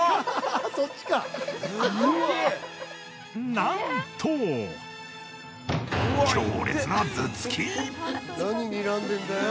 なんと強烈な頭突き。